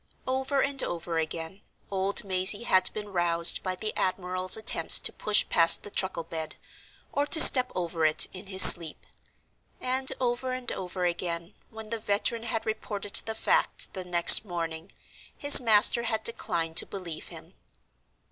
Over and over again, old Mazey had been roused by the admiral's attempts to push past the truckle bed, or to step over it, in his sleep; and over and over again, when the veteran had reported the fact the next morning, his master had declined to believe him.